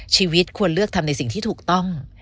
ชีวิตควรเลือกทำในสิ่งที่ถูกต้อง